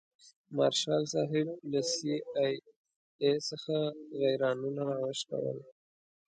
مارشال صاحب له سي آی اې څخه غیرانونه راوشکول.